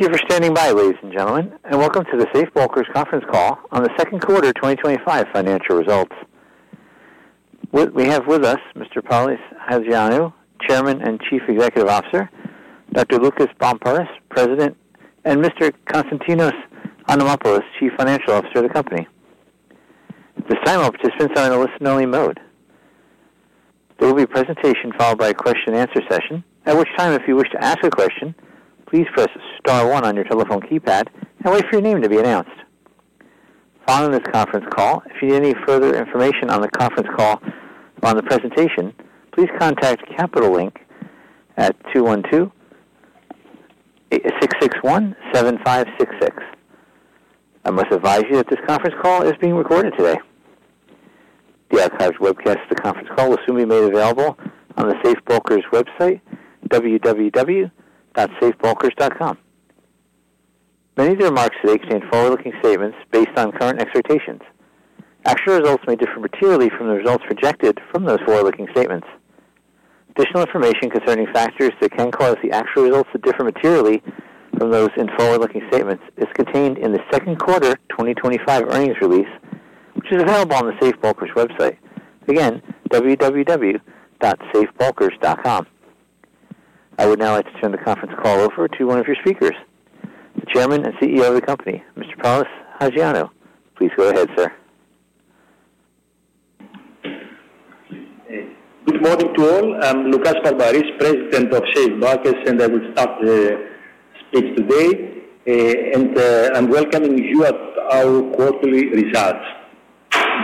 Thank you for standing by, ladies and gentlemen, and welcome to the Safe Bulkers Conference Call on the second quarter of 2025 financial results. We have with us Mr. Polys Hajioannou, Chairman and Chief Executive Officer, Dr. Loukas Barmparis, President, and Mr. Konstantinos Adamopoulos, Chief Financial Officer of the company. The time will be presented in a listen-only mode. There will be a presentation followed by a question-and-answer session, at which time, if you wish to ask a question, please press star one on your telephone keypad and wait for your name to be announced. Following the conference call, if you need any further information on the conference call or on the presentation, please contact Capital Link at 212-661-7566. I must advise you that this conference call is being recorded today. The outside website of the conference call will soon be made available on the Safe Bulkers website, www.safebulkers.com. Many of the remarks today contain forward-looking statements based on current expectations. Actual results may differ materially from the results projected from the forward-looking statements. Some information concerning factors that can cause the actual results to differ materially from those in forward-looking statements is contained in the second quarter 2025 earnings release, which is available on the Safe Bulkers website, again, www.safebulkers.com. I would now like to turn the conference call over to one of your speakers, the Chairman and CEO of the company, Mr. Polys Hajioannou. Please go ahead, sir. Good morning, Paul. I'm Dr. Loukas Barmparis, President of Safe Bulkers, and I will start the speech today. I'm welcoming you at our quarterly results.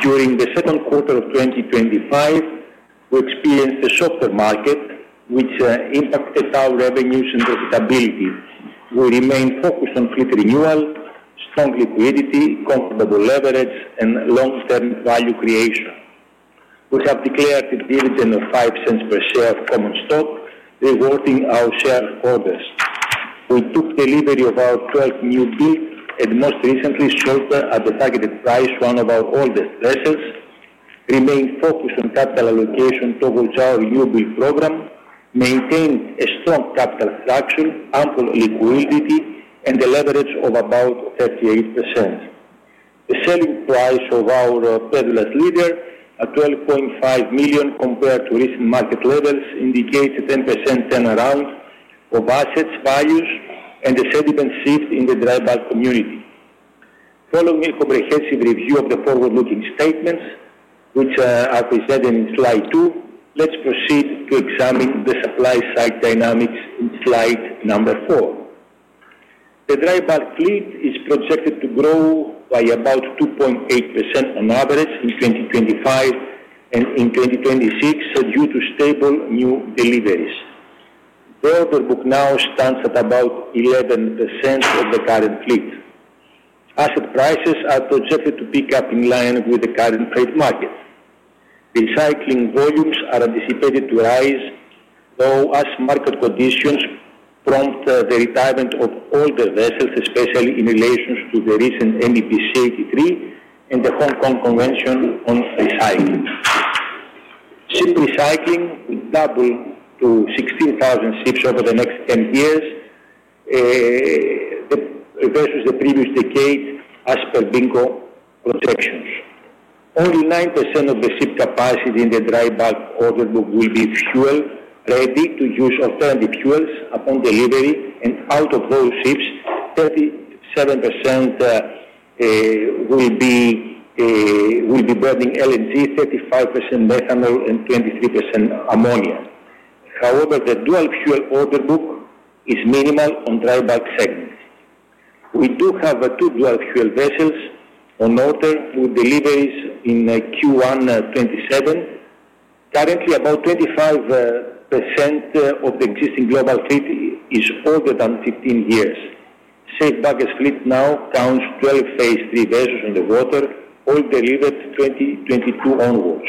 During the second quarter of 2025, we'll see a softer market, which impacted our revenues and profitability. We'll remain focused on quick renewal, strong liquidity, comparable leverage, and long-term value creation. We have declared a dividend of $0.05 per share amongst stock, rewarding our shareholders. We took delivery of our product newbie and most recently sold at the targeted price on our oldest letters. Remaining focused on capital allocation towards our renewable program, maintained a strong capital attraction, ample liquidity, and a leverage of about 38%. The selling price of our peddler leader at $12.5 million compared to recent market levels indicates a 10% turnaround of asset value and a positive seat in the drybulk community. Following a comprehensive review of the forward-looking statements, which are presented in slide two, let's proceed to examine the supply-side dynamics in slide number four. The drybulk fleet is projected to grow by about 2.8% on average in 2025 and in 2026 due to stable new deliveries. The paper book now stands at about 11% of the current fleet. Asset prices are projected to pick up in line with the current fleet market. Recycling volumes are anticipated to rise, though as market conditions prompt the retirement of older vessels, especially in relation to the recent MEPC 83 and the Hong Kong Convention on recycling. Ship recycling doubled to 16,000 ships over the next 10 years, but that is the previous decade after bulk construction. Only 9% of the ship capacity in the drybulk order book will be fuel ready to use alternative fuels upon delivery, and out of those ships, 37% will be burning LNG, 35% methanol, and 23% ammonia. However, the dual-fuel order book is minimal on drybulk segments. We do have two dual-fuel vessels on order with deliveries in Q1 2027. Currently, about 25% of the global fleet is older than 15 years. Safe Bulkers fleet now counts 12 Phase III vessels in the water, all delivered 2022 onward.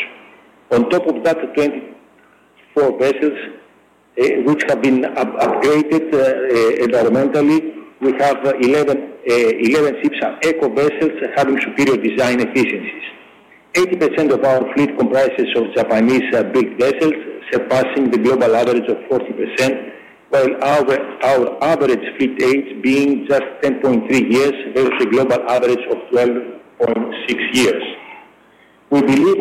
On top of that, 24 vessels, which have been upgraded environmentally, we have 11 ships of eco-vessels having superior design efficiencies. 80% of our fleet comprises Japanese-built vessels, surpassing the global average of 40%, while our average fleet age being just 10.3 years versus the global average of 12.6 years. We believe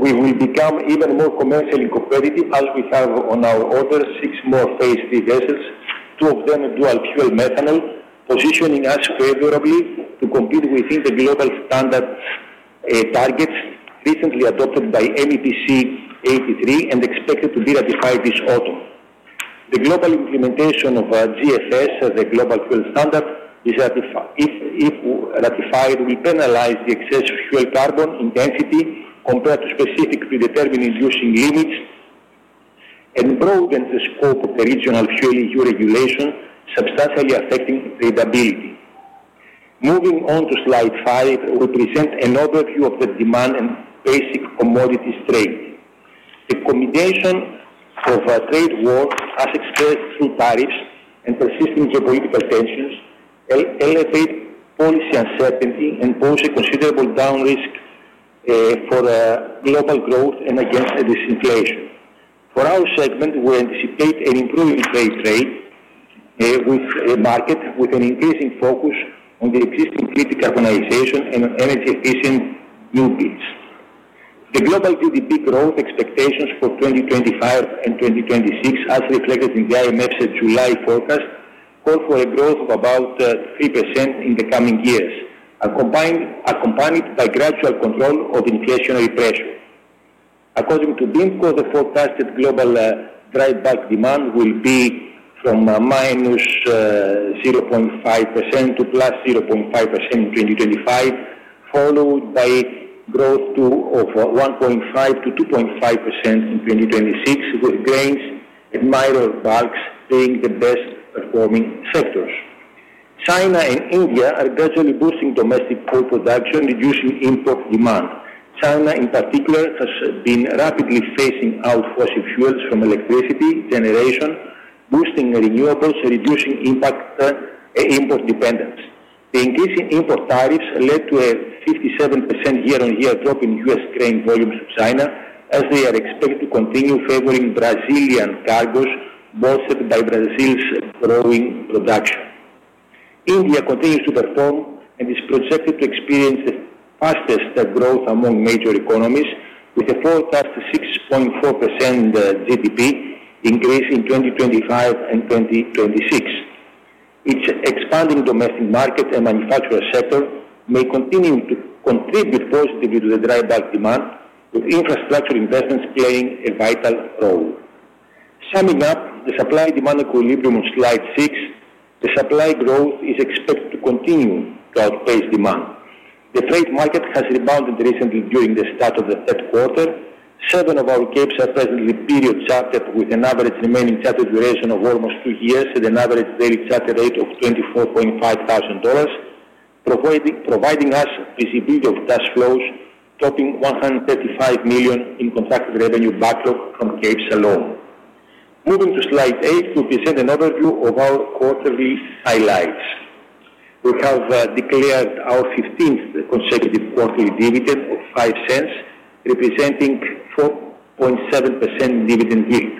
we will become even more commercially competitive as we have on our order six more Phase III vessels to obtain a dual-fuel methanol, positioning us favorably to compete within the global standard targets recently adopted by MEPC 83 and expected to be ratified this autumn. The global implementation of our GSS as a global fuel standard, if ratified, will penalize the excess fuel carbon intensity compared to specifically determined using limits and broadens the scope of the regional fuel EU regulation, substantially affecting capability. Moving on to slide five represents an overview of the demand and basic commodities trade. The accommodation of a trade war, affected through tariffs and persistent geopolitical tensions, elevate policy uncertainty and pose a considerable downrisk for global growth and against reduced inflation. For our segment, we anticipate an improving trade with markets with an increasing focus on the existing digital and energy-efficient newbies. The global GDP growth expectations for 2025 and 2026 are reflected in the IMF's July forecast, call for a growth of about 3% in the coming years, accompanied by gradual control of inflationary pressures. According to BIMCO, the forecasted global drybulk demand will be from -0.5% to +0.5% in 2025, followed by growth of 1.5% to 2.5% in 2026, which claims admirer banks being the best performing sectors. China and India are gradually boosting domestic coal production and reducing import demand. China, in particular, has been rapidly phasing out fossil fuels from electricity generation, boosting renewables and reducing impact import dependence. The increase in import tariffs led to a 57% year-on-year drop in U.S. grain volumes to China, as we are expected to continue favoring Brazilian cargos, bolstered by Brazil's growing production. India continues to perform and is projected to experience a faster growth among major economies with a forecast of 6.4% GDP increase in 2025 and 2026. Its expanding domestic market and manufacturing sector may continue to contribute positively to the drybulk demand, with infrastructure investments playing a vital role. Summing up the supply-demand equilibrium on slide six, the supply growth is expected to continue to outpace demand. The trade market has rebounded recently during the start of the third quarter. Seven of our capesize vessels are presently period-chartered with an average remaining total duration of almost two years and an average daily charter rate of $24,500, providing us with a bigger cash flow, topping $135 million in contracted revenue backlog from capesize vessels alone. Moving to slide eight to present an overview of our quarterly highlights. We have declared our 15th consecutive quarterly dividend of $0.05, representing a 4.7% dividend yield.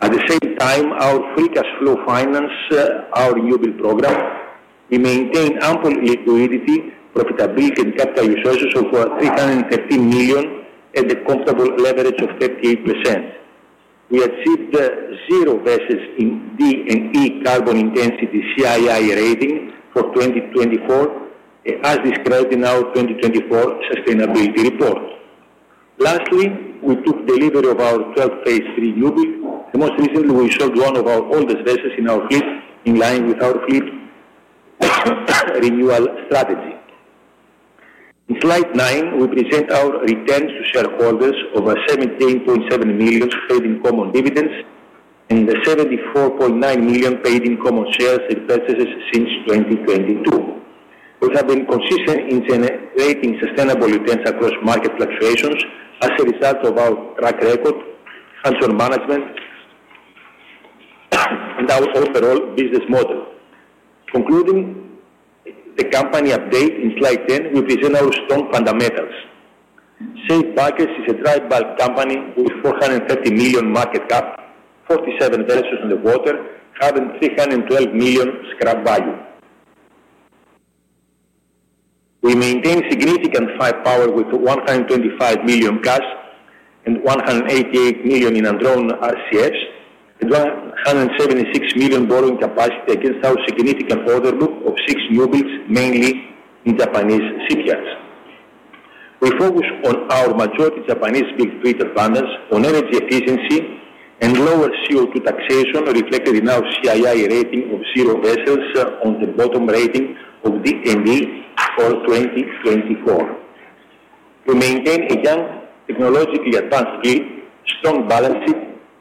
At the same time, our pre-cash flow finances our renewal program. We maintain ample liquidity, profitability, and capital resources of $313 million at the comparable leverage of 38%. We achieved zero vessels in D and E carbon intensity CII rating for 2024, as described in our 2024 sustainability report. Lastly, we took delivery of our 12th Phase III vessel, a motivation to reserve one of our oldest vessels in our fleet in line with our fleet renewal strategy. In slide nine, we present our returns to shareholders of $17.7 million, holding common dividends and $74.9 million paid in common share repurchases since 2022. We have been consistent in generating sustainable returns across market fluctuations as a result of our track record, hands-on management, and our overall business model. Concluding the company update in slide 10, we present our strong fundamentals. Safe Bulkers is a drybulk company with $430 million market cap, 47 vessels in the water, having $312 million scrap value. We maintain significant firepower with $125 million cash and $188 million in undrawn RCF and $176 million borrowing capacity against our significant order book of six newbuilds, mainly in Japanese shipyards. We focus on our majority Japanese-built fleet advantage, on energy efficiency, and lower CO2 taxation reflected in our CII rating of zero vessels on the bottom rating of D and E for 2024. We maintain a young, technologically advanced fleet, strong balance,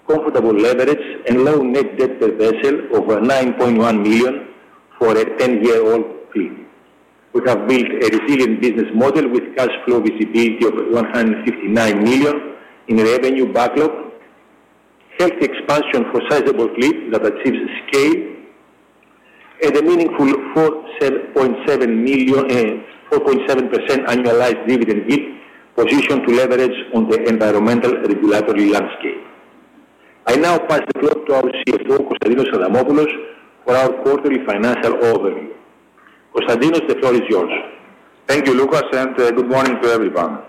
comfortable leverage, and low net debt per vessel of $9.1 million for a 10-year-old fleet. We have built a resilient business model with cash flow visibility of $159 million in revenue backlog, healthy expansion for sizable fleet that achieves scale, and a meaningful 4.7% annualized dividend yield, positioned to leverage on the environmental regulatory landscape. I now pass the floor to our CFO, Konstantinos Adamopoulos, for our quarterly financial overview. Konstantinos, the floor is yours. Thank you, Loukas, and good morning to everyone.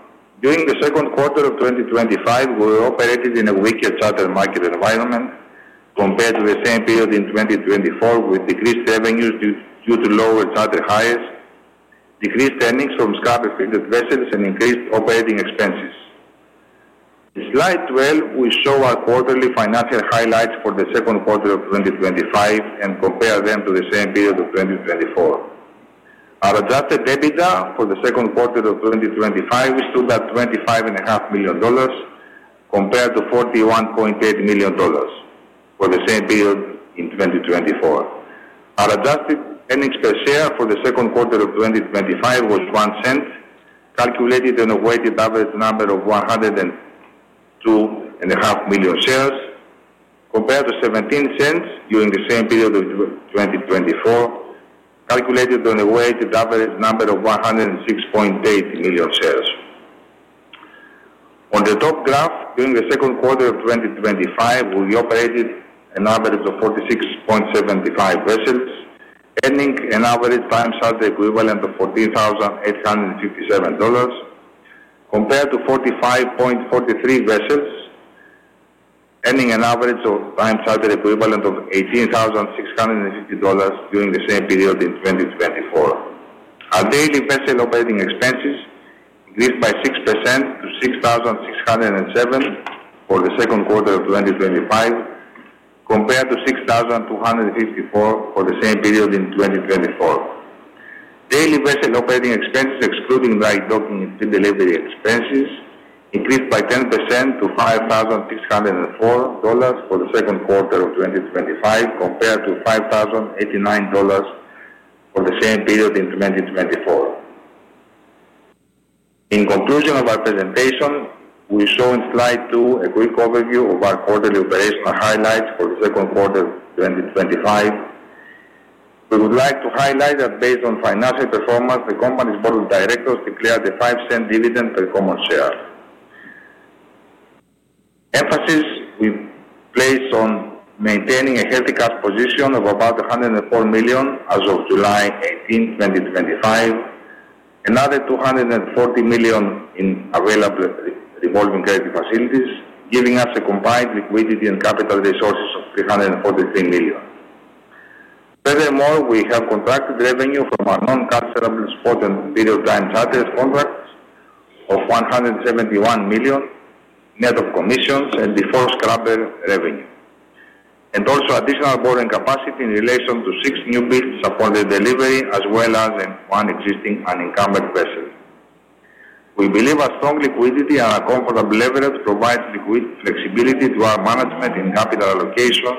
During the second quarter of 2025, we were operating in a weaker charter market environment compared to the same period in 2024, with decreased revenues due to lower charter hires, decreased earnings from scrap and traded vessels, and increased operating expenses. Slide 12 will show our quarterly financial highlights for the second quarter of 2025 and compare them to the same period of 2024. Our adjusted EBITDA for the second quarter of 2025 is still about $25.5 million compared to $41.8 million for the same period in 2024. Our adjusted earnings per share for the second quarter of 2025 was $0.01, calculated on a weighted average number of 102.5 million shares compared to $0.17 during the same period of 2024, calculated on a weighted average number of 106.8 million shares. On the top graph, during the second quarter of 2025, we operated an average of 46.75 vessels, earning an average time charter equivalent rate of $40,857 compared to 45.43 vessels, earning an average time charter equivalent rate of $18,650 during the same period in 2024. Our daily vessel operating expenses increased by 6% to $6,607 for the second quarter of 2025, compared to $6,254 for the same period in 2024. Daily vessel operating expenses, excluding dry docking and ship delivery expenses, increased by 10% to $5,304 for the second quarter of 2025, compared to $5,089 for the same period in 2024. In conclusion of our presentation, we show in slide two a quick overview of our quarterly operational highlights for the second quarter of 2025. We would like to highlight that based on financial performance, the company's board of directors declared a $0.05 dividend per common share. Emphasis is placed on maintaining a credit card position of about $104 million as of July in 2025, another $240 million in available revolving credit facilities, giving us a combined liquidity and capital resources of $343 million. Furthermore, we have contracted revenue for non-capsize floating bidders' dry charter contracts of $171 million, net of commissions and default scrubber revenue, and also additional borrowing capacity in relation to six newbuilds upon the delivery, as well as one existing unencumbered vessel. We believe our strong liquidity and our comparable leverage provide liquid flexibility to our management and capital allocation,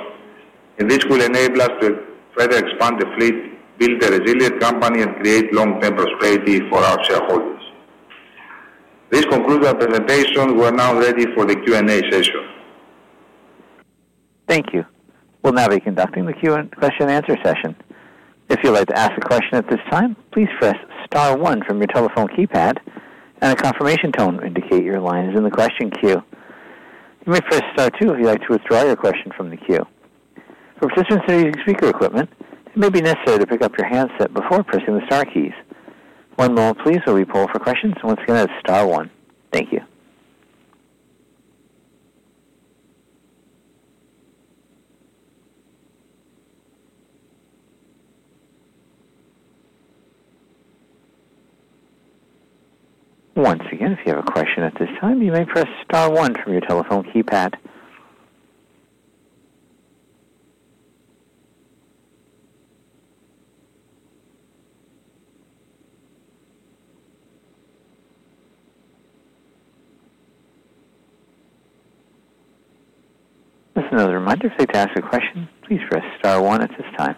and this will enable us to further expand the fleet, build a resilient company, and create long-term prosperity for our shareholders. This concludes our presentation. We are now ready for the Q&A session. Thank you. We'll now be conducting the Q&A question-and-answer session. If you would like to ask a question at this time, please press *1 from your telephone keypad and a confirmation tone to indicate your line is in the question queue. You may put *2st if you'd like to withdraw your question from the queue. For participants in speaker equipment, it may be necessary to pick up your handset before pressing the star keys. Please, we will be pulled for questions, and once again, that's star one. Thank you. Once again, if you have a question at this time, you may press *1 from your telephone keypad. Just another reminder, if you'd like to ask a question, please press *1 at this time.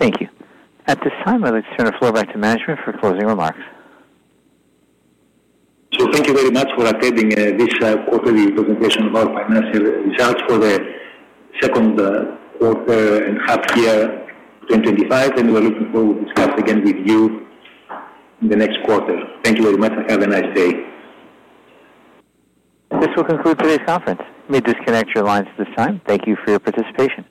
Thank you. At this time, I'd like to turn the floor back to management for closing remarks. Thank you for attending this quarterly documentation of our financial results for the second quarter of 2025. We're looking forward to discussing again with you in the next quarter. Thank you very much and have a nice day. This will conclude today's conference. We'll disconnect your lines at this time. Thank you for your participation.